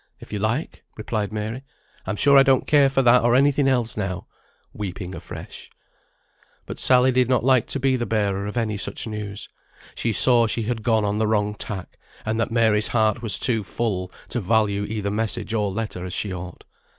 "If you like," replied Mary. "I'm sure I don't care for that or any thing else now;" weeping afresh. But Sally did not like to be the bearer of any such news. She saw she had gone on the wrong tack, and that Mary's heart was too full to value either message or letter as she ought.